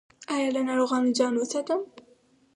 ایا له ناروغانو ځان وساتم؟